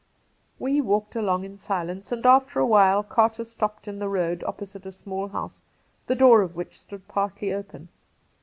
We walked along in silence, and after a while Carter stopped in the road opposite a small house, the door of which stood partly open.